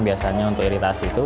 biasanya untuk iritasi itu